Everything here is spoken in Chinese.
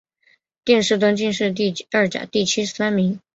殿试登进士第二甲第七十三名。